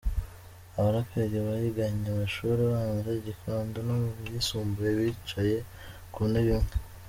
Aba baraperi biganye amashuri abanza i Gikondo, no mu yisumbuye bicaye ku ntebe imwe.